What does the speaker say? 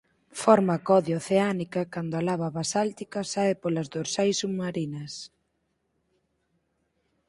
Forma a codia oceánica cando a lava basáltica sae polas dorsais submarinas.